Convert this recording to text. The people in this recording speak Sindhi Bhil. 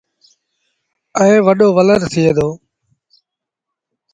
ائيٚݩ وڏو ولر ٿئي دو ۔